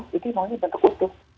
jadi mau di bentuk utuh